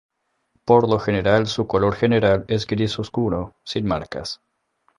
Por lo general su color general es gris oscuro, sin marcas.